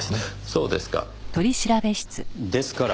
そうですか。